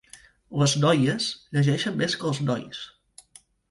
Les noies llegeixen més que els nois.